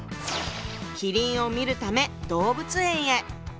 麒麟を見るため動物園へ。